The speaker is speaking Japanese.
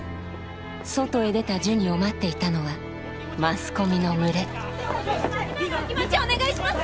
外へ出たジュニを待っていたのはマスコミの群れ今のお気持ちお願いします！